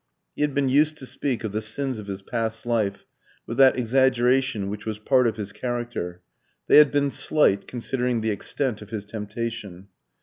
He had been used to speak of the sins of his past life with that exaggeration which was part of his character; they had been slight, considering the extent of his temptation.